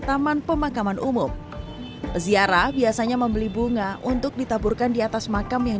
taman pemakaman umum ziarah biasanya membeli bunga untuk ditaburkan diatas makam yang